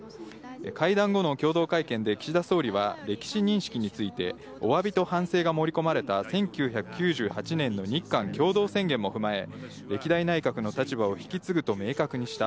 会談後の共同会見で、岸田総理は歴史認識について、おわびと反省が盛り込まれた、１９９８年の日韓共同宣言も踏まえ、歴代内閣の立場を引き継ぐと明確にした。